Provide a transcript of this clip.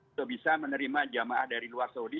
untuk bisa menerima jamaah dari luar saudi